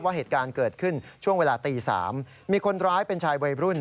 เหตุการณ์เกิดขึ้นช่วงเวลาตี๓มีคนร้ายเป็นชายวัยรุ่น